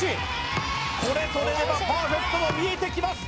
これとれればパーフェクトも見えてきます